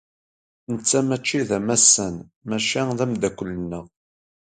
Netta maci d amassan, maca d ameddakel-nneɣ.